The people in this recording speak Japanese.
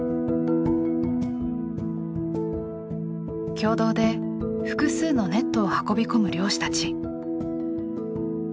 共同で複数のネットを運び込む漁師たち。